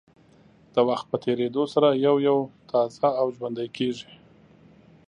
د وخت په تېرېدو سره یو یو تازه او ژوندۍ کېږي.